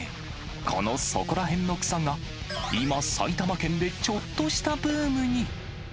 このそこらへんの草が、今、埼玉県でちょっとしたブームに。